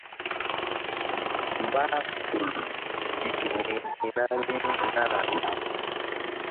Mbah kuhsol gi keni hi̧na mí nah lak.